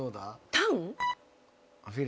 タン？